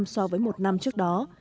so với một năm trước đó